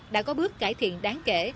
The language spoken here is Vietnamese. đã có bước cải thiện đáng kể